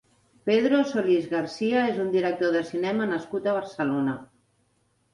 Pedro Solís García és un director de cinema nascut a Barcelona.